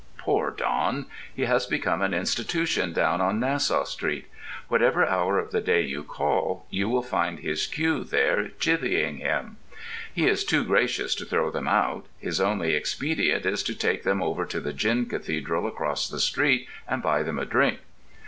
Poor Don! he has become an institution down on Nassau Street: whatever hour of the day you call, you will find his queue there chivvying him. He is too gracious to throw them out: his only expedient is to take them over to the gin cathedral across the street and buy them a drink.